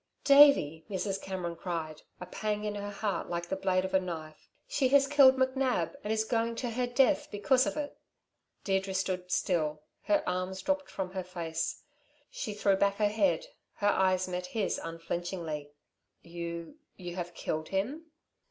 "Davey," Mrs. Cameron cried, a pang in her heart like the blade of a knife. "She has killed McNab, and is going to her death because of it." Deirdre stood still. Her arms dropped from her face. She threw back her head, her eyes met his unflinchingly. "You you have killed him?"